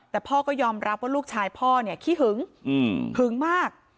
แต่พ่อก็ยอมรับว่าลูกชายพ่อเนี่ยขี้หึงหึงมาก